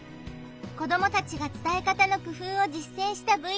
子どもたちが伝え方の工夫を実践したＶＴＲもあるよ！